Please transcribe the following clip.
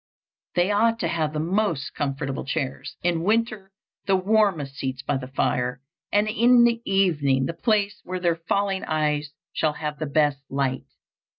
They ought to have the most comfortable chairs, in winter the warmest seats by the fire, and in the evening the place where their failing eyes shall have the best light.